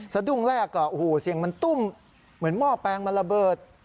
สะดุ้งแรกก็โอ้โหเสียงมันตุ้มเหมือนหม้อแปลงมันระเบิด